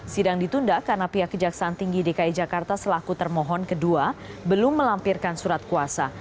sidang ditunda karena pihak kejaksaan tinggi dki jakarta selaku termohon kedua belum melampirkan surat kuasa